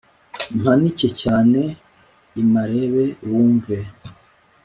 Mpanike cyane i Marebe bumve